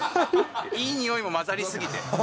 いい匂いも混ざり過ぎて。